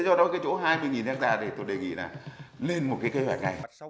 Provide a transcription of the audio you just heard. do đó cái chỗ hai mươi ha để tôi đề nghị là lên một cái kế hoạch này